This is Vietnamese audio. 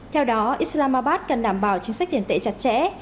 theo đó islamabad cần đảm bảo chính sách tiền tệ chặt chẽ